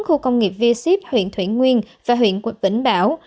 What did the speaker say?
khu công nghiệp v ship huyện thuyện nguyên và huyện quỳnh bảo